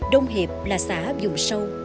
đông hiệp là xã vùng sâu